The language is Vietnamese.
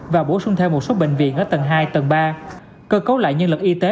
và bổ sung thêm một số bệnh viện ở tầng hai tầng ba cơ cấu lại nhân lực y tế